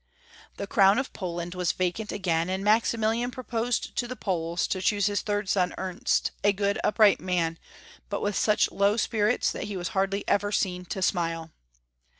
The croAvn of Poland was vacant again, and Maximilian proposed to the Poles to choose liis tliird son, Ernst, a good, \ipright man, but with such loAV spuits that lie was hardly ever seen to smile.